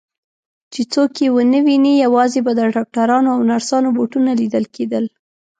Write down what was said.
چې څوک یې ونه ویني، یوازې به د ډاکټرانو او نرسانو بوټونه لیدل کېدل.